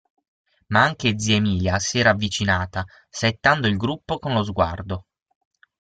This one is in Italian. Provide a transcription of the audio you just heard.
Ma anche zia Emilia s'era avvicinata, saettando il gruppo con lo sguardo.